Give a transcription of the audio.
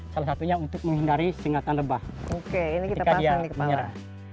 salah satunya untuk menghindari singatan rebah ketika dia menyerah